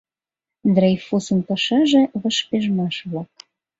Дрейфусын пашаже, вашпижмаш-влак.